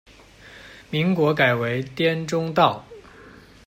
民国改为滇中道。